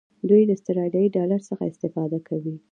دوی د آسترالیایي ډالر څخه استفاده کوي.